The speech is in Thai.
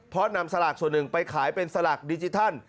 เพราะนำสลากส่วนหนึ่งไปขายเป็นสลากดิจิทัล